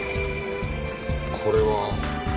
これは。